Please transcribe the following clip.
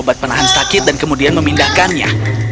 obat penahan sakit dan kemudian memindahkannya